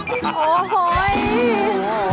โอ้โฮย